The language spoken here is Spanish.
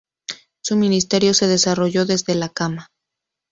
Su ministerio se desarrolló desde la cama.